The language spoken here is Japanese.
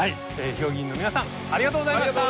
評議員の皆さんありがとうございました。